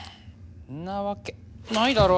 なわけないだろ！